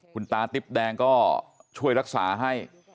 คุณตาติ๊บแดงก็ช่วยรักษาให้